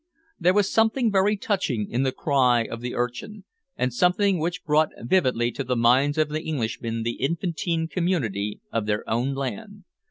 There was something very touching in the cry of the urchin, and something which brought vividly to the minds of the Englishmen the infantine community of their own land.